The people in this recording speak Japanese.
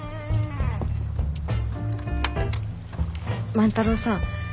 万太郎さん。